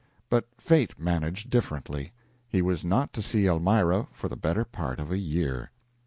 But fate managed differently. He was not to see Elmira for the better part of a year.